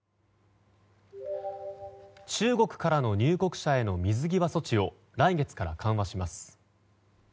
中国からの入国者への水際措置を来月から緩和します。